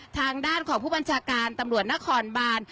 ทางด้านของผู้บัญชาการตำรวจนครบาน